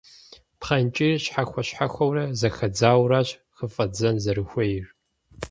Пхъэнкӏийр, щхьэхуэ-щхьэхуэурэ зэхэдзаурэщ хыфӏэдзэн зэрыхуейр.